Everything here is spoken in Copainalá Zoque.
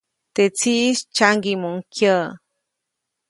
Teʼ tsiʼis tsyaŋgiʼmuʼuŋ kyäʼ.